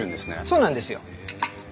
そうなんですよ。